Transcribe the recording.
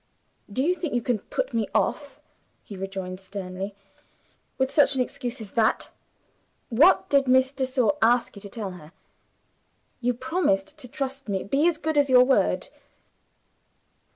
"Do you think you can put me off," he rejoined sternly, "with such an excuse as that? What did Miss de Sor ask you to tell her? You promised to trust me. Be as good as your word."